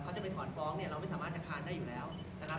เขาจะไปถอนฟ้องเนี่ยเราไม่สามารถจะคานได้อยู่แล้วนะครับ